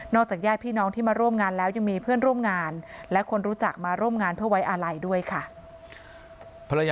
จากญาติพี่น้องที่มาร่วมงานแล้วยังมีเพื่อนร่วมงานและคนรู้จักมาร่วมงานเพื่อไว้อาลัยด้วยค่ะ